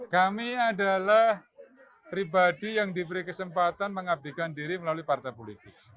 kami adalah pribadi yang diberi kesempatan mengabdikan diri melalui partai politik